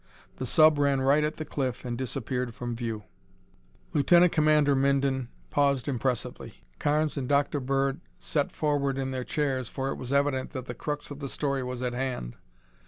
The sub ran right at the cliff and disappeared from view." Lieutenant Commander Minden paused impressively. Carnes and Dr. Bird set forward in their chairs, for it was evident that the crux of the story was at hand.